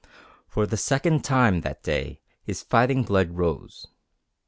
For the second time that day his fighting blood rose.